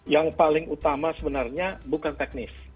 yang paling utama sebenarnya bukan teknis